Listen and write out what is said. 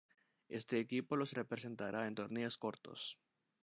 Este equipo los representara en torneos cortos.